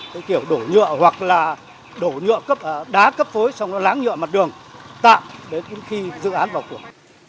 cái kiểu đổ nhựa hoặc là đổ nhựa cấp đá cấp phối xong nó láng nhựa mặt đường tạm đến khi dự án vào cuộc